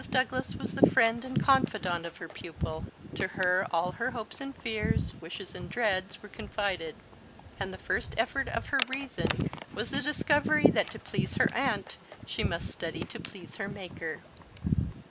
Douglas was the friend and confidant of her pupil: to her all her hopes and fears, wishes and dreads were confided; and the first effort of her reason was the discovery that to please her aunt she must study to please her Maker.